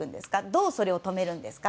どうそれを止めるんですか。